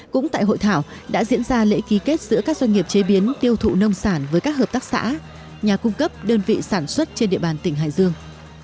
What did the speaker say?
cũng tại hội thảo đã diễn ra lễ ký kết giữa các doanh nghiệp chế biến tiêu thụ nông sản với các hợp tác xã nhà cung cấp đơn vị sản xuất trên địa bàn tỉnh hải dương